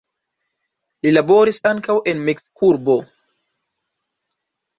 Li laboris ankaŭ en Meksikurbo.